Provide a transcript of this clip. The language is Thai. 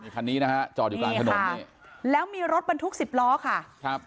คันนี้นะฮะจอดอยู่กลางถนนแล้วมีรถบรรทุกสิบล้อค่ะครับ